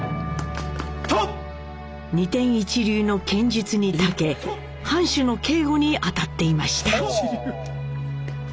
二天一流の剣術にたけ藩主の警護に当たっていました。